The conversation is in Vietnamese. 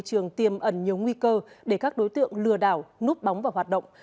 trường tiêm ẩn nhiều nguy cơ để các đối tượng lừa đảo núp bóng vào hoạt động